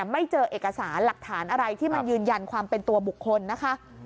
ไม่เจอเอกสารหลักฐานอะไรที่มันยืนยันความเป็นตัวบุคคลนะคะ